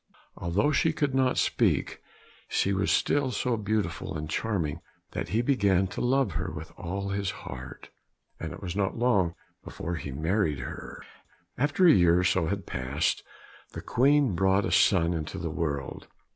Although she could not speak, she was still so beautiful and charming that he began to love her with all his heart, and it was not long before he married her. After a year or so had passed, the Queen brought a son into the world.